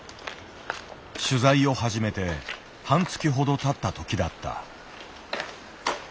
取材を始めて半月ほどたった時だった。